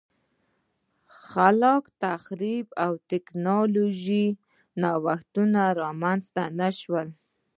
خلاق تخریب او ټکنالوژیکي نوښتونه رامنځته نه شول